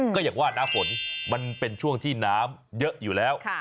ก็อย่างว่าน้ำฝนมันเป็นช่วงที่น้ำเยอะอยู่แล้ว